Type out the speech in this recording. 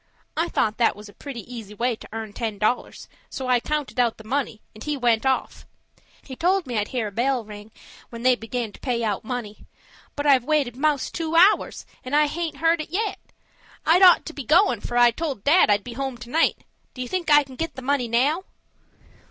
I thought that was a pretty easy way to earn ten dollars, so I counted out the money and he went off. He told me I'd hear a bell ring when they began to pay out money. But I've waited most two hours, and I haint heard it yet. I'd ought to be goin', for I told dad I'd be home to night. Do you think I can get the money now?"